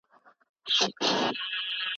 د مزاجي یووالي اهمیت څه دی؟